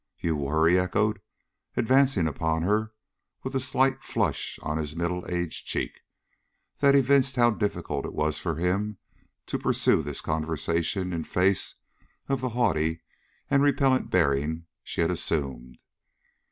"You were!" he echoed, advancing upon her with a slight flush on his middle aged cheek, that evinced how difficult it was for him to pursue this conversation in face of the haughty and repellant bearing she had assumed.